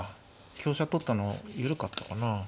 香車取ったの緩かったかな。